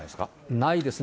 ないですね。